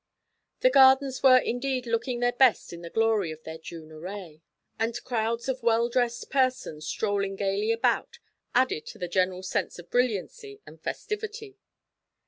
The gardens were indeed looking their best in the glory of their June array, and crowds of well dressed persons strolling gaily about added to the general sense of brilliancy and festivity.